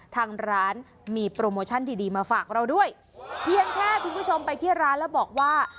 ทางร้านมีโปรโมชั่นดีดีมาฝากเราด้วยเพียงแค่คุณผู้ชมไปที่ร้านแล้วบอกว่า